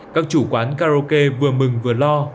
các chủ quán karaoke vừa mừng vừa lo